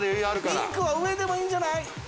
ピンクは上でもいいんじゃない？